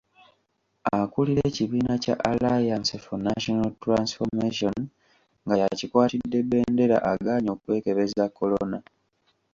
Akulira ekibiina kya Alliance for National Transformation nga y'akikwatidde bbendera agaanye okwekebeza kolona.